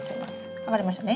剥がれましたね？